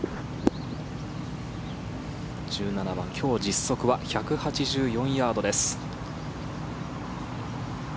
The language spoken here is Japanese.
１７番今日実測は１８４ヤードです。